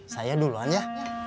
saya duluan ya